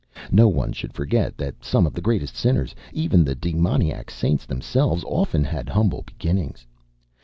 No one should forget that some of the greatest sinners, even the demoniac saints themselves, often had humble beginnings.